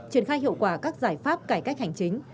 triển khai hiệu quả các giải pháp cải cách hành chính